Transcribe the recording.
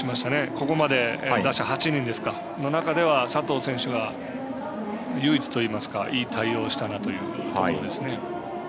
ここまで打者８人の中では佐藤選手が唯一といいますかいい対応したなというところです。